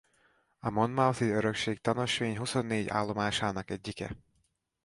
A monmouthi örökség tanösvény huszonnégy állomásának egyike.